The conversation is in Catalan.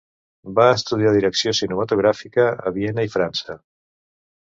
Va estudiar direcció cinematogràfica a Viena i França.